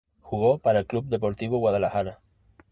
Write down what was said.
Jugó para el Club Deportivo Guadalajara.